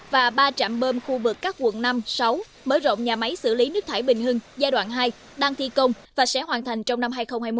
và ba trạm bơm khu vực các quận năm sáu mở rộng nhà máy xử lý nước thải bình hưng giai đoạn hai đang thi công và sẽ hoàn thành trong năm hai nghìn hai mươi một